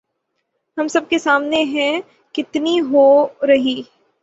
ہم سب کے سامنے ہے کتنی ہو رہی